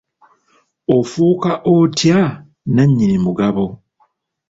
Ofuuka otya nannyini mugabo?